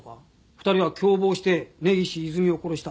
２人は共謀して根岸いずみを殺した。